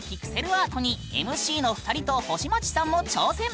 アートにＭＣの２人と星街さんも挑戦！